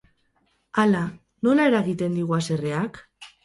Hala, nola eragiten digu haserreak?